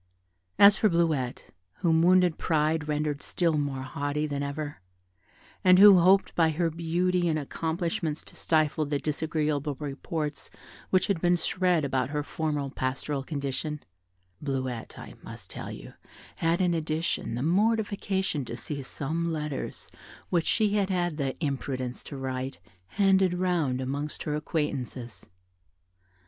As for Bleuette, whom wounded pride rendered still more haughty than ever, and who hoped by her beauty and accomplishments to stifle the disagreeable reports which had been spread about her former pastoral condition Bleuette, I must tell you, had, in addition, the mortification to see some letters which she had had the imprudence to write handed round amongst her acquaintances.